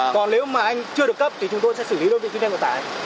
còn nếu mà anh chưa được cấp thì chúng tôi sẽ xử lý đơn vị kinh doanh của tài